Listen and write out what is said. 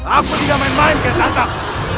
aku tidak main main kian santang